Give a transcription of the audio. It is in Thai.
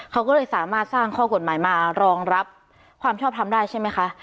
เขาก็เลยสามารถสร้างข้อกฎหมายมารองรับความชอบทำได้ใช่ไหมคะ